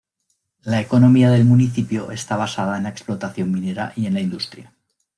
La economía del municipio está basada en la explotación minera y en la industria.